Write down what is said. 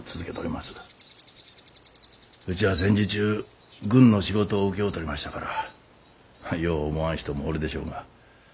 うちは戦時中軍の仕事を請け負うとりましたからよう思わん人もおるでしょうが。